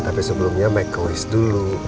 tapi sebelumnya make a wish dulu